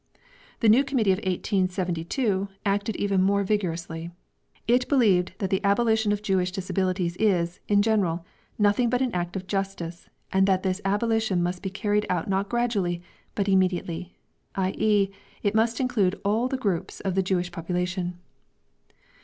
The new Committee of 1872 acted even more vigorously. It believed that the abolition of Jewish disabilities is, in general, nothing but an act of justice, and that this abolition must be carried out not gradually, but immediately i.e. it must include all the groups of the Jewish population.